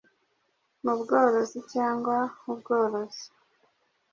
mu bworozi cyangwa ubworozi